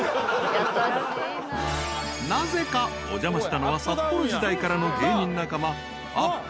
［なぜかお邪魔したのは札幌時代からの芸人仲間アップ